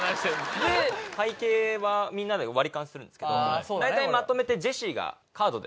で会計はみんなで割り勘するんですけど大体まとめてジェシーがカードで。